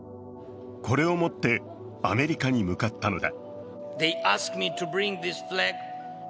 これを持ってアメリカに向かったのだ。